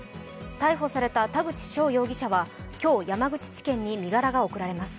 逮捕された田口翔容疑者は今日、山口県に身柄が送られます。